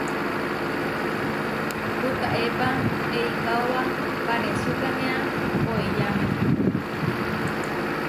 Puʼkaépa eikaóba panesukánea oeyáme.